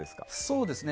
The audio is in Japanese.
そうですね。